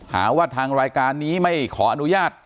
หาว่าทางรายการนี้ไม่ขออนุญาต